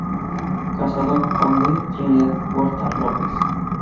Casado con Dª Trinidad Huerta López.